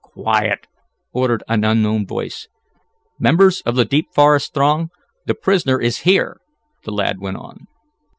"Quiet!" ordered an unknown voice. "Members of the Deep Forest Throng, the prisoner is here!" the lad went on.